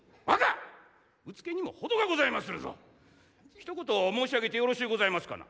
ひと言申し上げてよろしゅうございますかな？